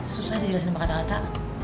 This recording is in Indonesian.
susah deh jelasin apa kata kata